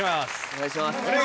お願いします。